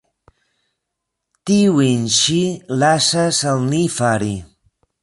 Tiujn ŝi lasas al ni fari.